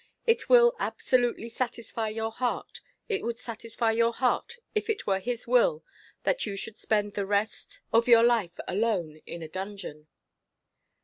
It will absolutely satisfy your heart. It would satisfy your heart if it were his will that you should spend the rest of your life alone in a dungeon."